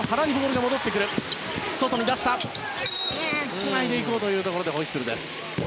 つないでいこうというところでホイッスル。